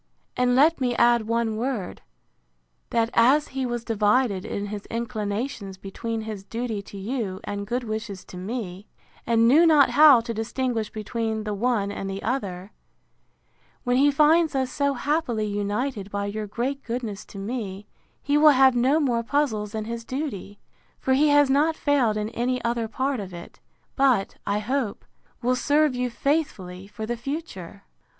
And let me add one word; That as he was divided in his inclinations between his duty to you and good wishes to me, and knew not how to distinguish between the one and the other, when he finds us so happily united by your great goodness to me, he will have no more puzzles in his duty; for he has not failed in any other part of it; but, I hope, will serve you faithfully for the future.